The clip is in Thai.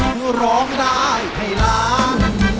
คือร้องได้ให้ล้าน